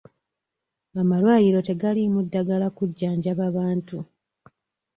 Amalwaliro tegaliimu ddagala kujjanjaba bantu .